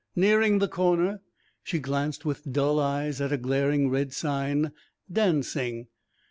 Nearing the corner, she glanced with dull eyes at a glaring red sign: "Dancing."